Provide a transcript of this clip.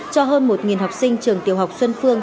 cho hơn một học sinh trường tiểu học xuân phương